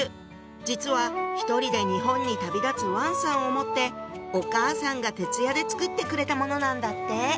実は１人で日本に旅立つ王さんを思ってお母さんが徹夜で作ってくれたものなんだって！